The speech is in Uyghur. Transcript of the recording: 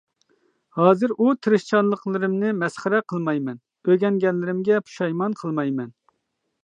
ھازىر ئۇ تىرىشچانلىقلىرىمنى مەسخىرە قىلمايمەن، ئۆگەنگەنلىرىمگە پۇشايمان قىلمايمەن.